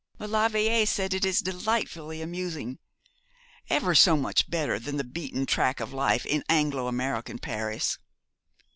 Maulevrier says it is delightfully amusing ever so much better than the beaten track of life in Anglo American Paris.'